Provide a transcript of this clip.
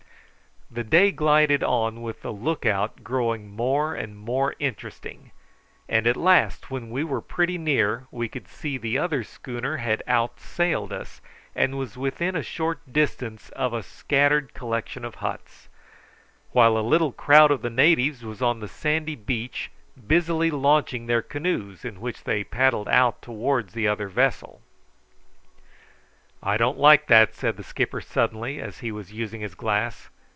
The day glided on with the look out growing more and more interesting; and at last, when we were pretty near, we could see the other schooner had outsailed us, and was within a short distance of a scattered collection of huts; while a little crowd of the natives was on the sandy beach busily launching their canoes, in which they paddled out towards the other vessel. "I don't like that," said the skipper suddenly, as he was using his glass.